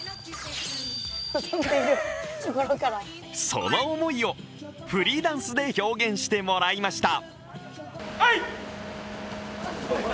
その思いをフリーダンスで表現してもらいました。